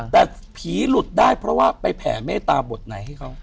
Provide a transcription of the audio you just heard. แต่ผีหลุดได้เพราะว่าไปแผ่เมตตาบทไหนให้เขา